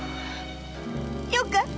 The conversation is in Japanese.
よかった！